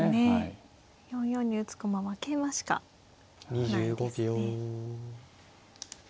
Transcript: ４四に打つ駒は桂馬しかないですね。